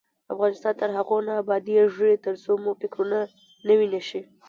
افغانستان تر هغو نه ابادیږي، ترڅو مو فکرونه نوي نشي.